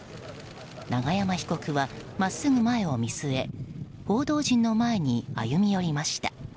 永山被告は真っすぐ前を見据え報道陣の前に歩み寄りました。